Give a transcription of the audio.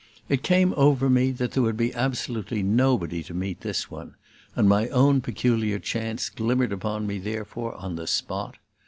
It came over me that there would be absolutely nobody to meet this one, and my own peculiar chance glimmered upon me therefore on the spot.